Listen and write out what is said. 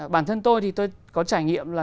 bản thân tôi thì tôi có trải nghiệm là